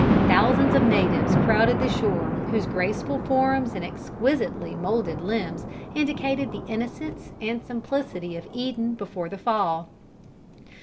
Thousands of natives crowded the shore, whose graceful forms and exquisitely moulded limbs indicated the innocence and simplicity of Eden before the fall.